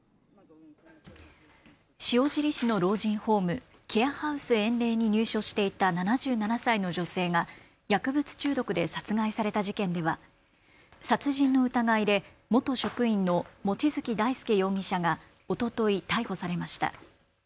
塩尻市の老人ホーム、ケアハウスえんれいに入所していた７７歳の女性が薬物中毒で殺害された事件では殺人の疑いで元職員の望月大輔容疑者がおととい逮捕されました。